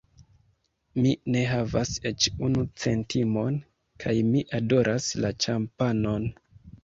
Mi ne havas eĉ unu centimon kaj mi adoras la ĉampanon.